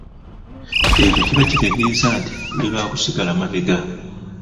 Ekyo kiba kitegeeza nti tuli ba kusigala mabega.